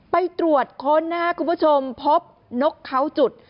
ไปตรวจค้นนะครับคุณผู้ชมพบนกเขาจุด